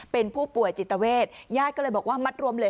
เป็นผู้ป่วยจิตเวทญาติก็เลยบอกว่ามัดรวมเลย